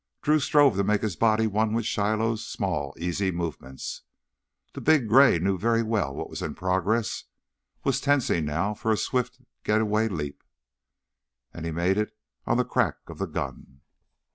Drew strove to make his body one with Shiloh's small easy movements. The big gray knew very well what was in progress, was tensing now for a swift getaway leap. And he made it on the crack of the gun.